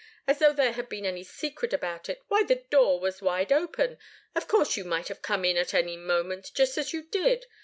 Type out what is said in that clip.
As though there had been any secret about it! Why, the door was wide open of course you might have come in at any moment, just as you did.